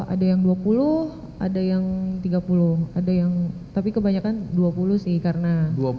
ada yang dua puluh ada yang tiga puluh ada yang tapi kebanyakan dua puluh sih karena dua puluh